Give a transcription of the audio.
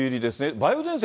梅雨前線